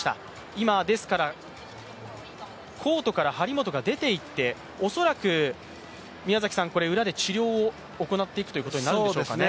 今、コートから張本が出ていって、恐らく裏で治療を行っていくことになるんでしょうかね。